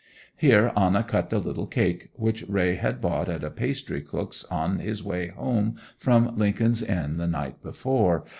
Here Anna cut the little cake which Raye had bought at a pastrycook's on his way home from Lincoln's Inn the night before.